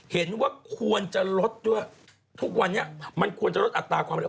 เห็นว่าควรจะลดด้วยทุกวันนี้มันควรจะลดอัตราความเร็ว